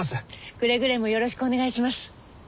くれぐれもよろしくお願いします。